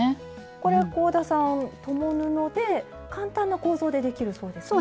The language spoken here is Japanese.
これは香田さん共布で簡単な構造でできるそうですね？